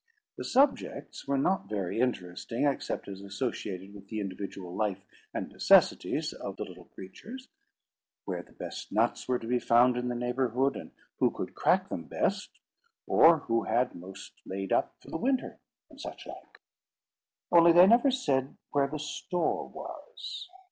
The subjects were not very interesting, except as associated with the individual life and necessities of the little creatures: where the best nuts were to be found in the neighbourhood, and who could crack them best, or who had most laid up for the winter, and such like; only they never said where the store was.